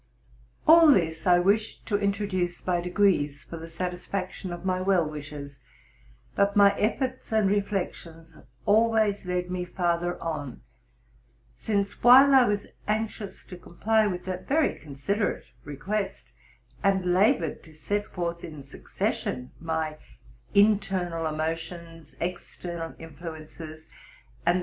_All this I wished to introduce by degrees for the satisfac tion of my well wishers, but my efforts and reflections always led me farther on; since while I was anxious to comply with that very considerate request, and labored to set forth in succession my Internal emotions, external influences, and the AUTHOR'S PREFACE.